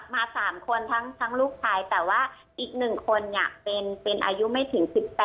มา๓คนทั้งลูกชายแต่ว่าอีก๑คนเป็นอายุไม่ถึง๑๘